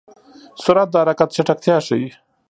سرعت د حرکت چټکتیا ښيي.